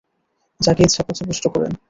যাকে ইচ্ছা পথভ্রষ্ট করেন।